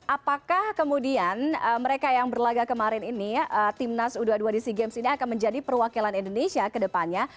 apakah kemudian mereka yang berlagak kemarin ini timnas u dua puluh dua di sea games ini akan menjadi perwakilan indonesia ke depannya